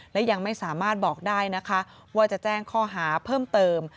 และยังไม่สามารถบอกได้นะคะว่าจะแจ้งข้อหาเพิ่มเติม